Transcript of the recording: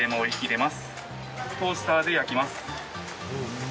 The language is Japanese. トースターで焼きます。